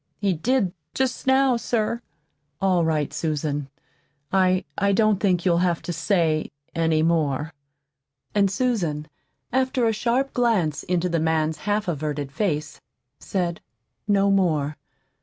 "He did, jest now, sir." "All right, Susan. I I don't think you'll have to say any more." And Susan, after a sharp glance into the man's half averted face, said no more.